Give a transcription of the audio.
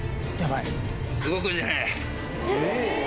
動くんじゃねえ。